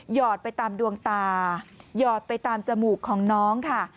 อดไปตามดวงตาหยอดไปตามจมูกของน้องค่ะ